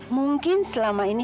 mungkin selama ini